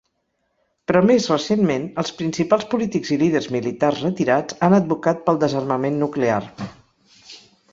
Però més recentment, els principals polítics i líders militars retirats han advocat pel desarmament nuclear.